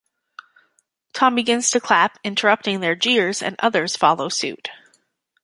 Tom begins to clap, interrupting their jeers, and others follow suit.